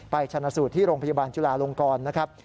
ชนะสูตรที่โรงพยาบาลจุลาลงกรนะครับ